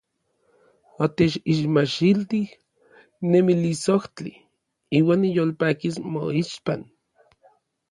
Otechixmachiltij nemilisojtli; iuan niyolpakis moixpan.